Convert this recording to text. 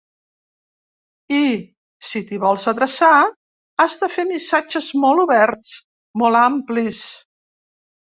I, si t’hi vols adreçar, has de fer missatges molt oberts, molt amplis.